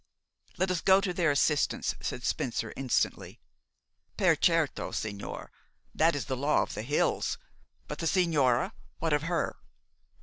"Let us go to their assistance," said Spencer instantly. "Per certo, sigñor. That is the law of the hills. But the sigñora? What of her?"